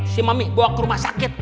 si mami bawa ke rumah sakit